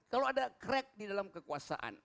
kalau ada crack di dalam kekuasaan